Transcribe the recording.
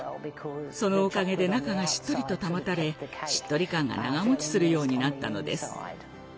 そのおかげで中がしっとりと保たれしっとり感が長持ちするようになったのです。